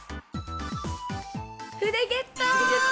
筆ゲット！